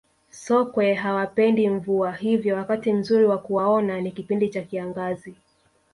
sokwe hawapendi mvua hivyo wakati mzuri wa kuwaona ni kipindi cha kiangazi